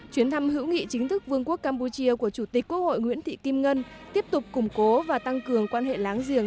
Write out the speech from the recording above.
chuyến thăm hữu nghị chính thức vương quốc campuchia của chủ tịch quốc hội nguyễn thị kim ngân tiếp tục củng cố và tăng cường quan hệ láng giềng